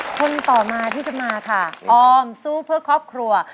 คนต่อมาที่จะมาค่ะออมสู้เพื่อครอบครัว